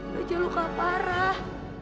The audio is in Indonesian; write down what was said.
bajak luka parah